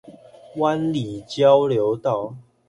灣裡交流道